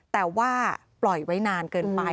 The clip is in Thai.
แต่ว่าปล่อยไว้นานเกินไป